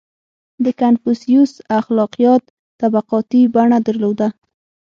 • د کنفوسیوس اخلاقیات طبقاتي بڼه درلوده.